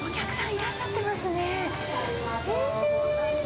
いらっしゃってますね。